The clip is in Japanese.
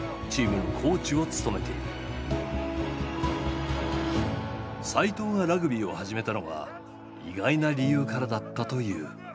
齋藤がラグビーを始めたのは意外な理由からだったという。